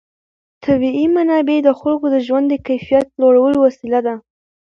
طبیعي منابع د خلکو د ژوند د کیفیت لوړولو وسیله ده.